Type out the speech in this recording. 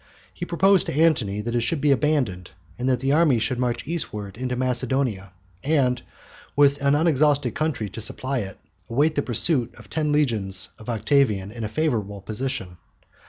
He proposed to Antony that it should be abandoned, and that the army should march eastward into Macedonia, and, with an unexhausted country to supply it, await the pursuit of ten legions of Octavian in a favourable position.